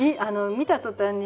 見た途端に？